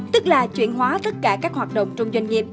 tức là chuyển hóa tất cả các hoạt động trong doanh nghiệp